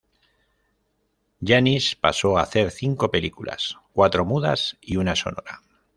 Janis pasó a hacer cinco películas: cuatro mudas y una sonora.